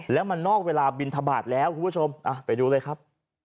แล้วมันนอกเวลาบินทบาทแล้วคุณผู้ชมไปดูเลยครับ